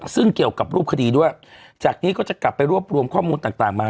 ซึ่งเกี่ยวกับรูปคดีด้วยจากนี้ก็จะกลับไปรวบรวมข้อมูลต่างมา